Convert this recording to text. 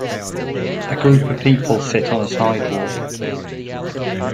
A group of people sit on a sidewalk.